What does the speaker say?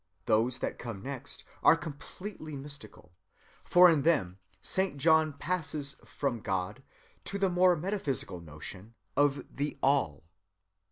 Those that come next are completely mystical, for in them Saint John passes from God to the more metaphysical notion of the All.